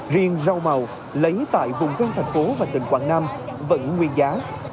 riêng rau màu lấy tại vùng dân thành phố và tỉnh quảng nam vẫn nguyên giá